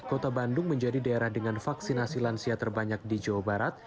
kota bandung menjadi daerah dengan vaksinasi lansia terbanyak di jawa barat